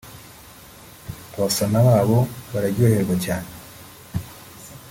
abafana babo bararyoherwa cyane